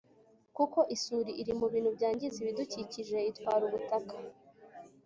kuko isuri iri mu bintu byangiza ibidukikije itwara ubutaka